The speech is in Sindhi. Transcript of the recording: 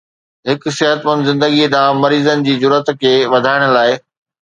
هڪ صحتمند زندگي ڏانهن مريضن جي جرئت کي وڌائڻ لاء